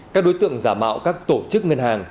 các đối tượng giả mạo các tổ chức ngân hàng